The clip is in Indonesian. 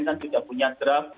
kan juga punya draft